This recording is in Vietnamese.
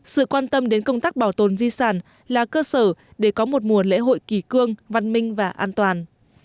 sự quan tâm đến công tác bảo tồn di sản là cơ sở để có một mùa lễ hội kỳ cương văn minh và an toàn